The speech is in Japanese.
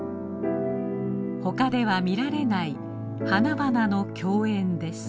他では見られない花々の供宴です。